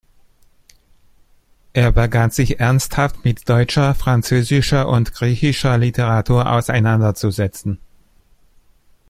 Er begann sich ernsthaft mit deutscher, französischer und griechischer Literatur auseinanderzusetzen.